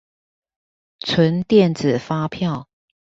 存電子發票